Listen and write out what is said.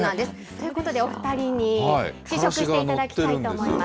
ということでお２人に試食していただきたいと思います。